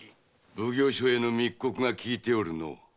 奉行所への密告が効いておるのう。